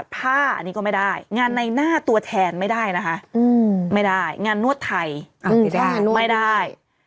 ผ้าอันนี้ก็ไม่ได้งานในหน้าตัวแทนไม่ได้นะคะไม่ได้งานนวดไทยไม่ได้